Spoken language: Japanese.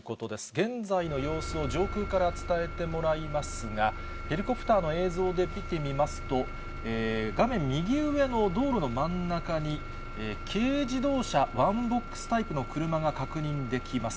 現在の様子を上空から伝えてもらいますが、ヘリコプターの映像で見てみますと、画面右上の道路の真ん中に、軽自動車、ワンボックスタイプの車が確認できます。